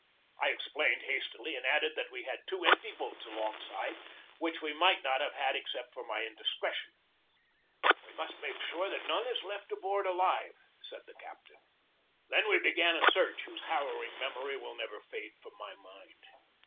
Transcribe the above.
I explained hastily, and added that we had two empty boats alongside, which we might not have had except for my indiscretion. "We must make sure that none is left aboard alive," said the captain. THE BATTLE OF PORT HUDSON 99 Then we began a search whose harrowing mem ory will never fade from my mind.